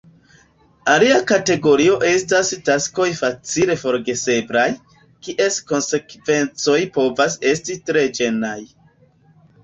Alia kategorio estas taskoj facile forgeseblaj, kies konsekvencoj povas esti tre ĝenaj.